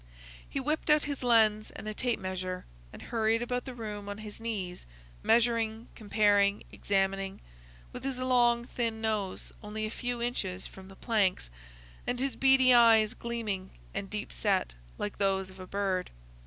He whipped out his lens and a tape measure, and hurried about the room on his knees, measuring, comparing, examining, with his long thin nose only a few inches from the planks, and his beady eyes gleaming and deep set like those of a bird.